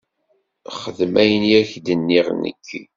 Xdem ayen i ak-d-nniɣ nekki.